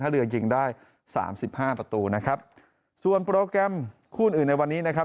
ถ้าเรือยิงได้๓๕ประตูนะครับส่วนโปรแกรมคู่นอื่นในวันนี้นะครับ